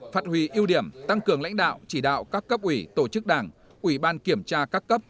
phát huy ưu điểm tăng cường lãnh đạo chỉ đạo các cấp ủy tổ chức đảng ủy ban kiểm tra các cấp